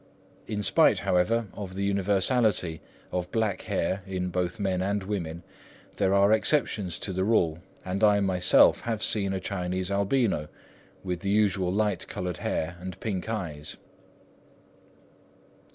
In spite, however, of the universality of black hair in both men and women, there are exceptions to the rule, and I myself have seen a Chinese albino, with the usual light coloured hair and pink eyes.